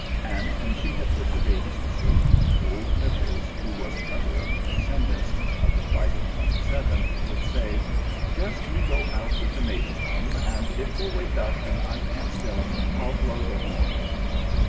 And when she had put the babies to sleep, old Mipples, who was another of the descendants of the "Fighting Twenty seventh," would say, "Just you go out with the Major, mum, and if they wake up and I can't still them, I'll blow the horn."